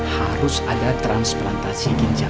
harus ada transplantasi ginjal